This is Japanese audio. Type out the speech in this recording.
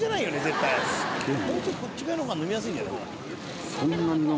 もうちょっとこっち側の方が飲みやすいんじゃない？